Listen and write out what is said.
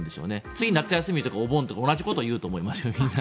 次、夏休みとかお盆とか同じことを言うと思います。